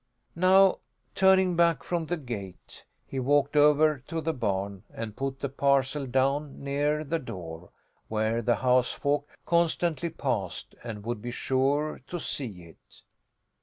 Now, turning back from the gate, he walked over to the barn and put the parcel down near the door, where the housefolk constantly passed and would be sure to see it.